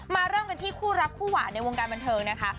เริ่มกันที่คู่รักคู่หวานในวงการบันเทิงนะคะ